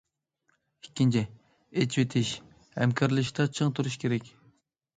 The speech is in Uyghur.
ئىككىنچى، ئېچىۋېتىش، ھەمكارلىشىشتا چىڭ تۇرۇش كېرەك.